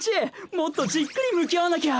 もっとじっくり向き合わなきゃ。